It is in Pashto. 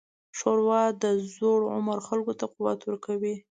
ښوروا د زوړ عمر خلکو ته قوت ورکوي.